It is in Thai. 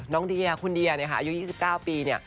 น้องเดียคุณเดียอายุ๒๙ปีเนี่ย